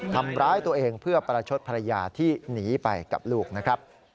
ทำร้ายตัวเองเพื่อประชดภรรยาที่หนีไปกับลูกนะครับ